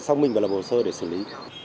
xong mình vào lập hồ sơ để xử lý